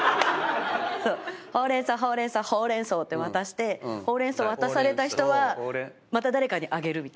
ほうれん草ほうれん草ほうれん草って渡してほうれん草渡された人はまた誰かにあげるみたいな。